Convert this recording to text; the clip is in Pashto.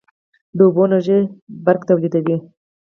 د اوبو انرژي برښنا تولیدوي